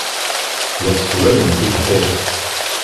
La sswayen tibḥirt.